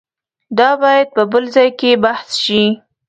دا باید په بل ځای کې بحث شي.